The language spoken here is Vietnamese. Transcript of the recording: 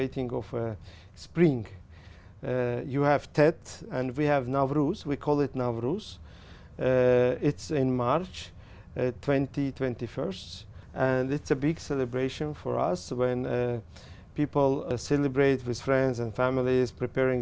tôi hy vọng và hy vọng hà tây sẽ tạo ra một trung tâm mở rộng